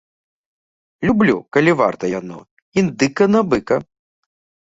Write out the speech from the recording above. Люблю, калі варта яно, індыка на быка.